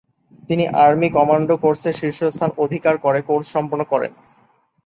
তিনি army commando কোর্সে শীর্ষস্থান অধিকার করে কোর্স সম্পন্ন করেন।